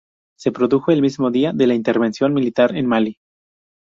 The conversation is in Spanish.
Se produjo el mismo día de la Intervención militar en Malí.